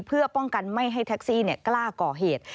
เพื่อป้องกันไม่ให้แท็กซี่กล้าก่อเหตุ